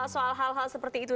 soal hal hal seperti itu